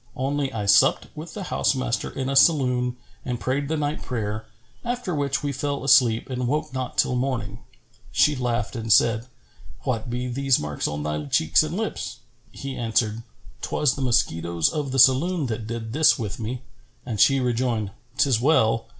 Only I supped with the house master in a saloon and prayed the night prayer, after which we fell asleep and woke not till morning." She laughed and said, "What be those marks on thy cheeks and lips?" He answered, "'Twas the mosquitoes of the saloon that did this with me;" and she rejoined, "'Tis well.